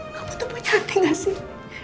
kamu tuh punya hati gak sih